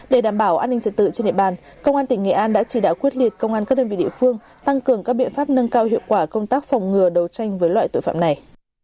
để đảm bảo an ninh trật tự trên địa bàn công an tỉnh nghệ an đã chỉ đạo quyết liệt công an các đơn vị địa phương tăng cường các biện pháp nâng cao hiệu quả công tác phòng ngừa đấu tranh với loại tội phạm này